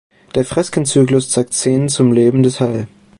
Der Freskenzyklus zeigt Szenen zum Leben des hl.